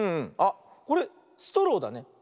あっこれストローだね。